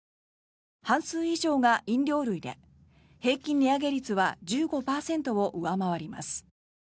半数以上が飲料類で平均値上げ率は１５％を上回ります。